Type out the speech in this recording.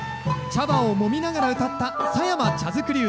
茶葉をもみながらうたった「狭山茶作り唄」。